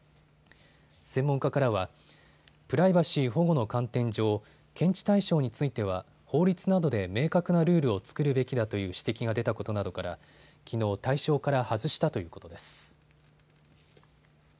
専門家からは、プライバシー保護の観点上、検知対象については法律などで明確なルールを作るべきだという指摘が出たことなどからきのう対象から外したということです。